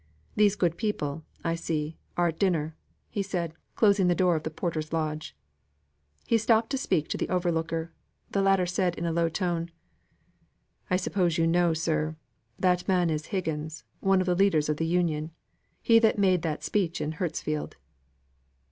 These good people, I see, are at dinner;" said he, closing the door of the porter's lodge. He stopped to speak to the overlooker. The latter said in a low tone: "I suppose you know, sir, that that man is Higgins, one of the leaders of the Union; he that made that speech in Hurstfield."